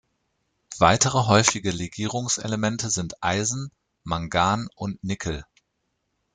Weitere häufige Legierungselemente sind Eisen, Mangan und Nickel.